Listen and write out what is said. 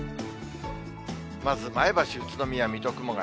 まず前橋、宇都宮、水戸、熊谷。